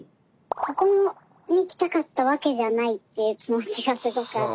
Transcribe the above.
ここに来たかったわけじゃないという気持ちがすごくあって。